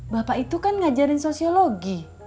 bapak itu kan ngajarin sosiologi